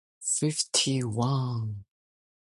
He and his wife, the former Jane Sweet, have three children.